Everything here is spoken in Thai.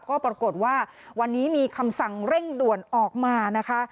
ก็ปรากฏว่าวันนี้มีคำสั่งเร่งด่วนออกมานะคะ